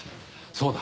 そうだ。